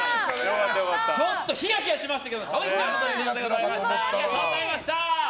ちょっとひやひやしましたけど将棋クラブということでございました。